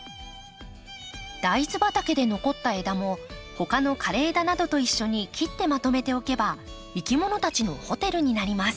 大豆畑で残った枝も他の枯れ枝などと一緒に切ってまとめておけばいきものたちのホテルになります。